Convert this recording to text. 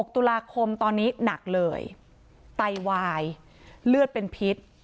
๖ตุลาคมตอนนี้หนักเลยไตวายเลือดเป็นพิษ